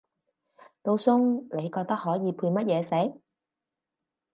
道餸你覺得可以配乜嘢食？